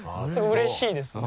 うれしいですね。